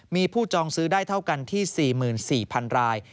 มีผู้จองซื้อได้เท่ากันที่๔๔๐๐๐ราย